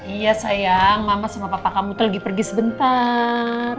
iya sayang mama sama papa kamu tuh lagi pergi pergi sebentar